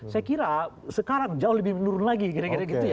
saya kira sekarang jauh lebih menurun lagi kira kira gitu ya